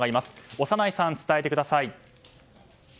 小山内さん、伝えてください。